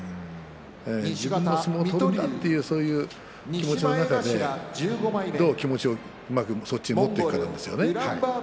自分の相撲を取るんだという気持ちの中でどう気持ちをそっちに持っていくかですよね。